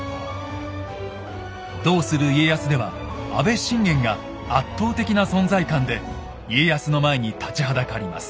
「どうする家康」では阿部信玄が圧倒的な存在感で家康の前に立ちはだかります。